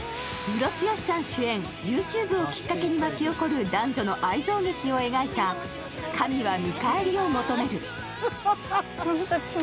ムロツヨシさん主演、ＹｏｕＴｕｂｅｒをきっかけに巻き起こる男女の愛憎劇を描いた「神は見返りを求める」。